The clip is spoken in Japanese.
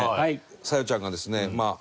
沙夜ちゃんがですね